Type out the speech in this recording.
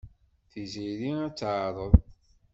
Tiziri ad tt-teɛreḍ.